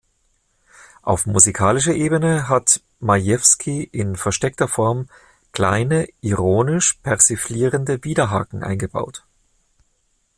Auf musikalischer Ebene hat Majewski in versteckter Form kleine ironisch-persiflierende Widerhaken eingebaut.